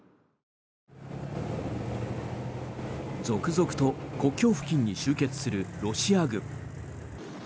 続々と国境付近に集結するロシア軍。